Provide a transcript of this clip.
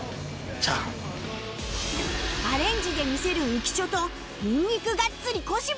アレンジで魅せる浮所とニンニクがっつり小柴